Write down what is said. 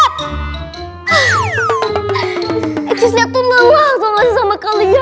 dikiranya aku itu pintunya itu apaan ya